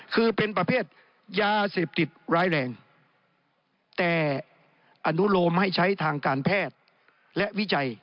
คือเป็นประเภทยาเสพติดร้ายแรงแต่อนุโลมให้ใช้ทางการแพทย์และวิจัย